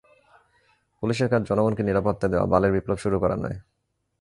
পুলিশের কাজ জনগণকে নিরাপত্তা দেয়া, বালের বিপ্লব শুরু করা নয়।